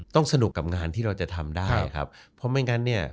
สนุกกับงานที่เราจะทำได้ครับเพราะไม่งั้นเนี่ย